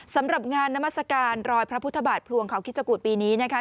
สำหรับงานนามัศกาลรอยพระพุทธบาทพลวงเขาคิดจกุฎปีนี้นะคะ